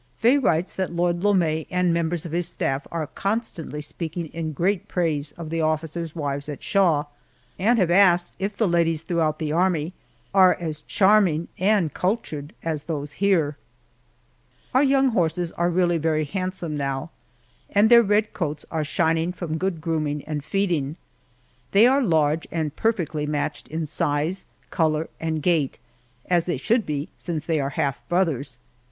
Faye writes that Lord Lome and members of his staff are constantly speaking in great praise of the officers' wives at Shaw, and have asked if the ladies throughout the Army are as charming and cultured as those here. Our young horses are really very handsome now, and their red coats are shining from good grooming and feeding. They are large, and perfectly matched in size, color, and gait, as they should be, since they are half brothers.